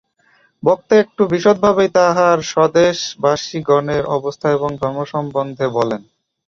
বক্তা একটু বিশদভাবেই তাঁহার স্বদেশবাসিগণের অবস্থা এবং ধর্ম সম্বন্ধে বলেন।